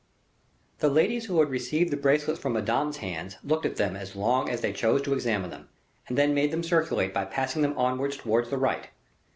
The ladies who had received the bracelets from Madame's hands looked at them as long as they chose to examine them, and then made them circulate by passing them on towards the right.